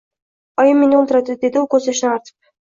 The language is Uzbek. Oyim, meni o`ldiradi, dedi u ko`z yoshlarini artib